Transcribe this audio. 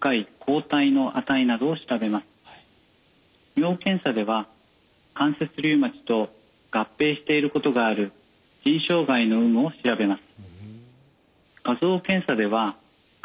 尿検査では関節リウマチと合併していることがある腎障害の有無を調べます。